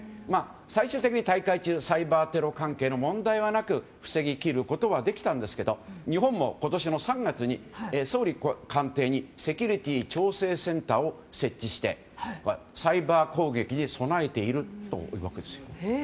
最終的に大会中サイバーテロ関係の問題はなく防ぎきることはできたんですが日本も今年の３月に総理官邸にセキュリティ調整センターを設置して、サイバー攻撃に備えているというわけです。